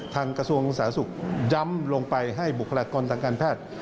กระทรวงสาธารณสุขย้ำลงไปให้บุคลากรทางการแพทย์